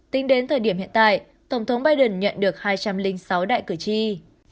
tính đến thời điểm hiện tại tổng thống biden nhận được hai trăm linh sáu đại cử tri